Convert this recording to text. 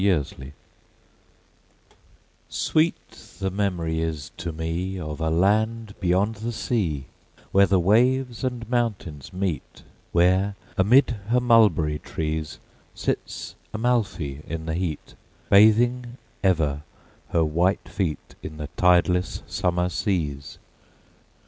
AMALFI Sweet the memory is to me Of a land beyond the sea, Where the waves and mountains meet, Where, amid her mulberry trees Sits Amalfi in the heat, Bathing ever her white feet In the tideless summer seas.